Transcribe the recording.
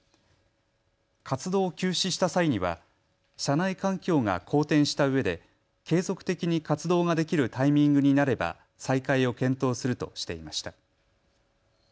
活動を休止した際には社内環境が好転したうえで継続的に活動ができるタイミングになれば再開を検討するとしていました。